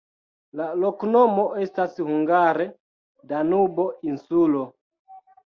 La loknomo estas hungare: Danubo-insulo.